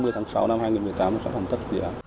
ba mươi tháng sáu năm hai nghìn một mươi tám sẽ phản thức